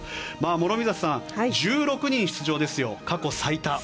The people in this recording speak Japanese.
諸見里さん、１６人出場ですよ。